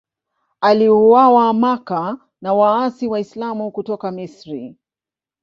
Aliuawa Makka na waasi Waislamu kutoka Misri.